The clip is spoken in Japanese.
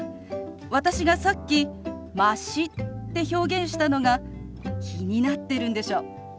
私がさっき「まし」って表現したのが気になってるんでしょ？